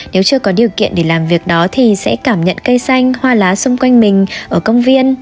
nếu chưa có điều kiện để làm việc đó thì sẽ cảm nhận cây xanh hoa lá xung quanh mình ở công viên